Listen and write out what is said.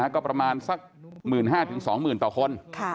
ก็ประมาณสัก๑๕๐๐๒๐๐๐ต่อคน